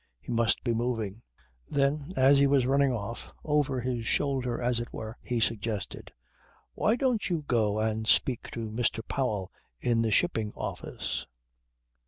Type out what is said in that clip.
He must be moving. Then as he was running off, over his shoulder as it were, he suggested: "Why don't you go and speak to Mr. Powell in the Shipping Office."